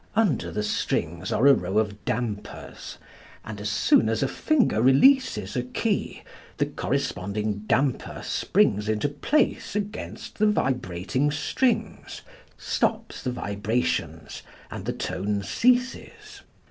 Under the strings are a row of dampers, and as soon as a finger releases a key the corresponding damper springs into place against the vibrating strings, stops the vibrations, and the tone ceases.